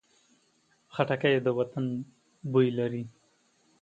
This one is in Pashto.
خټکی د وطن بوی لري.